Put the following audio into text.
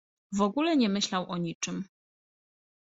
W ogóle nie myślał o niczym.